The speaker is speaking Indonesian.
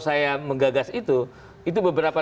saya menggagas itu itu beberapa